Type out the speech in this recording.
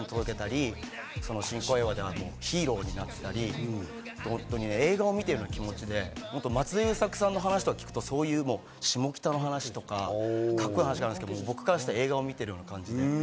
新小岩でヒーローだったり映画を見ているような気持ちで、松田優作さんの話とか聞くと下北の話とか、カッコいい話があるんですけど、僕からしたら映画を見てるような感じ。